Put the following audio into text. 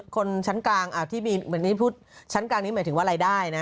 คนชั้นกลางที่มีชั้นกลางนี้หมายถึงว่ารายได้นะ